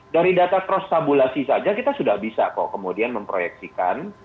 dari data cross tabulasi saja kita sudah bisa kok kemudian memproyeksikan